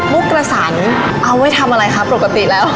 ุ๊กกระสันเอาไว้ทำอะไรครับปกติแล้ว